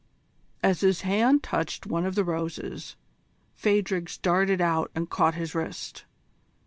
As his hand touched one of the roses, Phadrig's darted out and caught his wrist.